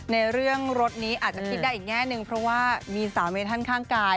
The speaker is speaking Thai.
ในเรื่องรถนี้อาจจะคิดได้อีกแง่นึงเพราะว่ามีสามีท่านข้างกาย